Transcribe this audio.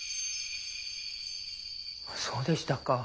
そうでしたか。